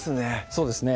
そうですね